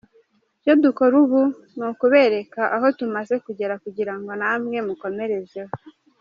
Icyo dukora ubu ni ukubereka aho tumaze kugera kugirango namwe mukomerezeho.